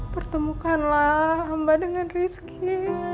pertemukanlah mbak dengan deriski